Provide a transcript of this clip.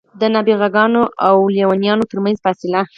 د نابغه ګانو او لېونیانو ترمنځ فاصله.